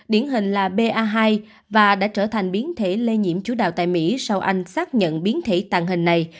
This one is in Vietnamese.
điển hình là ba hai và đã trở thành biến thể lây nhiễm chủ đạo tại mỹ sau anh xác nhận biến thể tàng hình này